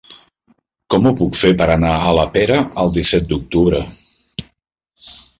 Com ho puc fer per anar a la Pera el disset d'octubre?